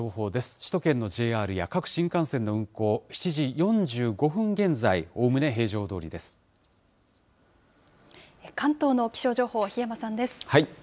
首都圏のＪＲや各新幹線の運行、７時４５分現在、おおむね平常ど関東の気象情報、檜山さんです。